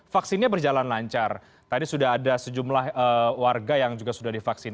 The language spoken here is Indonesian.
vaksinnya berjalan lancar tadi sudah ada sejumlah warga yang juga sudah divaksin